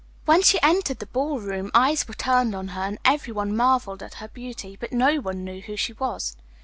When she entered the ball room all eyes were turned on her, and everyone marvelled at her beauty, but no one knew who she was.